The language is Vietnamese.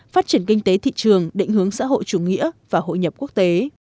phát triển kinh tế thị trường định hướng xã hội chủ nghĩa và hội nhập quốc tế